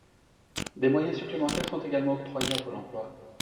Des moyens supplémentaires sont également octroyés à Pôle emploi.